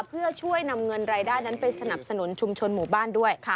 เพื่อช่วยนำเงินรายได้นั้นไปสนับสนุนชุมชนหมู่บ้านด้วย